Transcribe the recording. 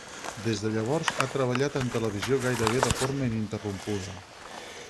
Des de llavors ha treballat en televisió gairebé de forma ininterrompuda.